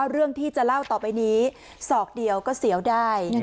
เรื่องที่จะเล่าต่อไปนี้ศอกเดียวก็เสียวได้